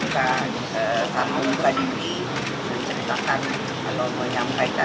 kita ingin menjelaskan semangat yang ada